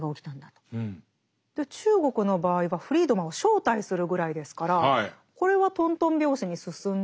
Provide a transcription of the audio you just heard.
中国の場合はフリードマンを招待するぐらいですからこれはとんとん拍子に進んだよというケースですか。